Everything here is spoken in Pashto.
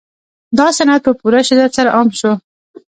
دا صنعت په پوره شدت سره عام شو